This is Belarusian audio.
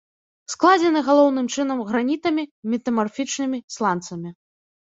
Складзены галоўным чынам гранітамі, метамарфічнымі сланцамі.